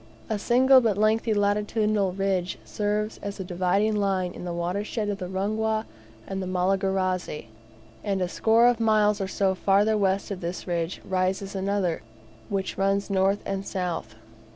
A single but lengthy latitudinal ridge serves as a dividing line to the watershed of the Rungwa and Malagarazi; and a score of miles or so further west of this ridge rises another, which runs north and south.